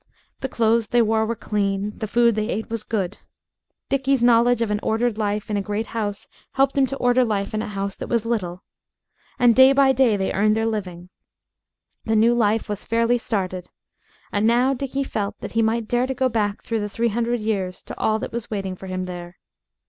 The clothes they wore were clean; the food they ate was good. Dickie's knowledge of an ordered life in a great house helped him to order life in a house that was little. And day by day they earned their living. The new life was fairly started. And now Dickie felt that he might dare to go back through the three hundred years to all that was waiting for him there.